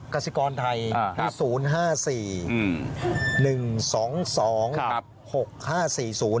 กสิกรไทยที่๐๕๔๑๒๒๖๕๔๐